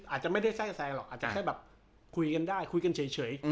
อาจจะไม่ได้แทรกแซงหรอกอาจจะแค่แบบคุยกันได้คุยกันเฉย